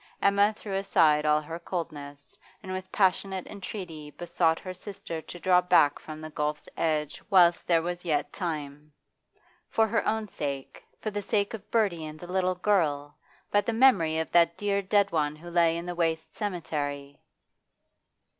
Emma threw aside all her coldness, and with passionate entreaty besought her sister to draw back from the gulf's edge whilst there was yet time. For her own sake, for the sake of Bertie and the little girl, by the memory of that dear dead one who lay in the waste cemetery!